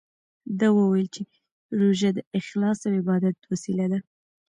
ده وویل چې روژه د اخلاص او عبادت وسیله ده.